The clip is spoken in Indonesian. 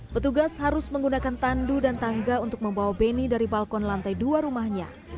petugas harus menggunakan tandu dan tangga untuk membawa beni dari balkon lantai dua rumahnya